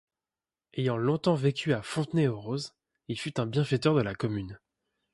Ayant longtemps vécu à Fontenay-aux-Roses, il fut un bienfaiteur de la commune.